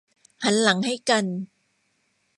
หันหลังให้กัน